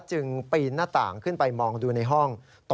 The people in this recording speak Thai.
ตอนเที่ยงก็ไม่ได้มาดูดีบลงไปส่วนงานศพ